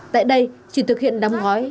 tại đây chỉ thực hiện đóng gói